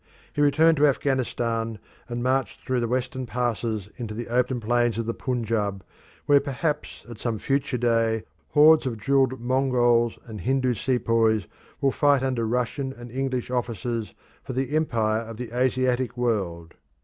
He returned to Afghanistan and marched through the western passes into the open plains of the Punjab, where perhaps at some future day hordes of drilled Mongols and Hindu sepoys will fight under Russian and English officers for the empire of the Asiatic world.